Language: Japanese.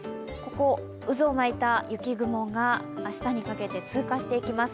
渦を巻いた雪雲が明日にかけて通過していきます。